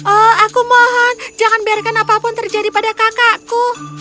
oh aku mohon jangan biarkan apapun terjadi pada kakakku